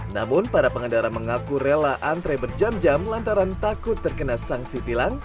namun para pengendara mengaku rela antre berjam jam lantaran takut terkena sanksi tilang